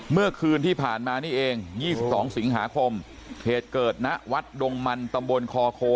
เมื่อคืนที่ผ่านมานี่เอง๒๒สิงหาคมเหตุเกิดณวัดดงมันตำบลคอโค